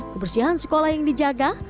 kebersihan sekolah yang dijaga